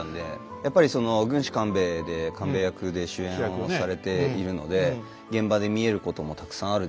やっぱりその「軍師官兵衛」で官兵衛役で主演をされているので現場で見えることもたくさんあるでしょうし。